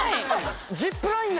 ジップラインだ。